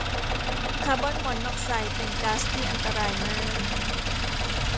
คอร์บอนมอนอกไซด์เป็นก๊าซที่อันตรายมาก